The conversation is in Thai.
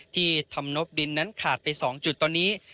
ที่ทำนบดินนั้นขาดไป๒จุดตอนนี้